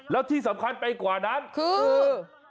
แล้วที่สำคัญไปกว่านั้นคือ